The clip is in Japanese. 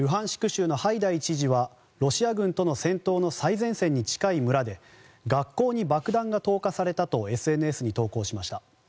州のハイダイ知事はロシア軍との戦闘の最前線に近い村で学校に爆弾が投下されたとＳＮＳに投稿しました。